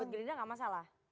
jadi apa salah